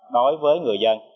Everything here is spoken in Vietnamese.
đối với người dân